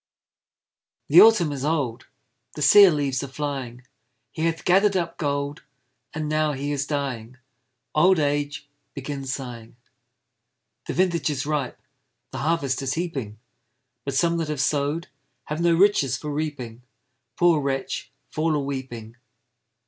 The Autumn is old, The sere leaves are flying; He hath gather'd up gold, And now he is dying; Old Age, begin sighing! The vintage is ripe, The harvest is heaping; But some that have sow'd Have no riches for reaping; Poor wretch, fall a weeping!